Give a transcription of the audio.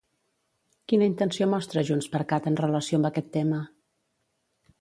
Quina intenció mostra JxCat en relació amb aquest tema?